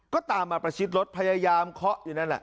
ก็ตามมาประชิดรถพยายามเคาะอยู่นั่นแหละ